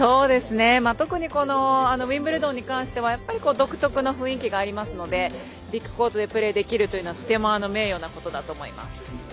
特にウィンブルドンに関しては独特な雰囲気がありますのでビッグコートでプレーできるというのはとても名誉なことだと思います。